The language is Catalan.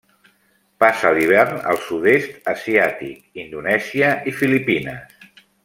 Passa l'hivern al Sud-est asiàtic, Indonèsia i Filipines.